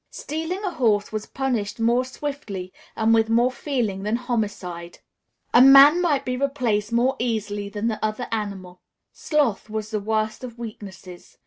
Stealing a horse was punished more swiftly and with more feeling than homicide. A man might be replaced more easily than the other animal. Sloth was the worst of weaknesses.